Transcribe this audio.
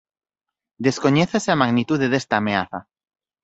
Descoñécese a magnitude desta ameaza.